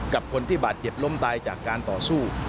กับคนที่บาดเจ็บล้มตายจากการต่อสู้